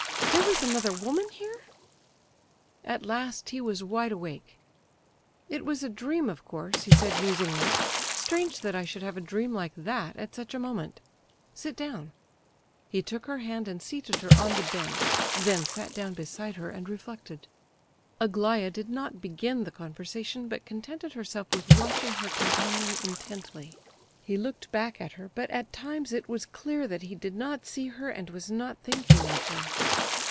"There was another woman here?" At last he was wide awake. "It was a dream, of course," he said, musingly. "Strange that I should have a dream like that at such a moment. Sit down—" He took her hand and seated her on the bench; then sat down beside her and reflected. Aglaya did not begin the conversation, but contented herself with watching her companion intently. He looked back at her, but at times it was clear that he did not see her and was not thinking of her.